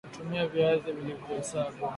tumia Viazi vilivyosagwa